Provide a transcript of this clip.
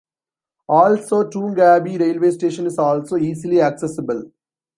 Also, Toongabie Railway station is also easily accessible.